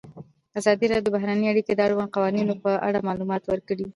ازادي راډیو د بهرنۍ اړیکې د اړونده قوانینو په اړه معلومات ورکړي.